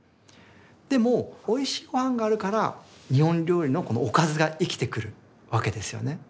でもおいしいごはんがあるから日本料理のおかずが生きてくるわけですよね。